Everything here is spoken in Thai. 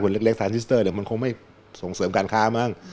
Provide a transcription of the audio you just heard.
เล็กซานทิสเตอร์เดี๋ยวมันคงไม่ส่งเสริมการค้ามั้ง